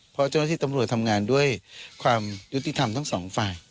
เพราะเจ้าหน้าที่ตำรวจทำงานด้วยความยุติธรรมทั้งสองฝ่าย